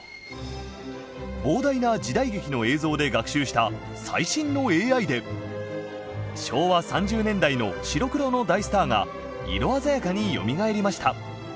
膨大な時代劇の映像で学習した最新のＡＩで昭和３０年代の白黒の大スターが色鮮やかによみがえりました。